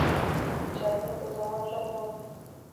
چاکلېټ د سوغات ښه ډول دی.